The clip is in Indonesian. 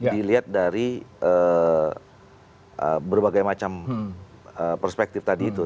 dilihat dari berbagai macam perspektif tadi itu